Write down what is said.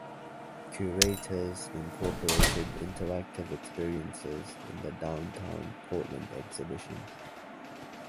Curators incorporated interactive experiences in the downtown Portland exhibition.